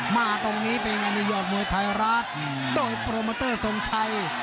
มาตรงนี้เป็นไงนี่ยอดมวยไทยรัฐโดยโปรโมเตอร์ทรงชัย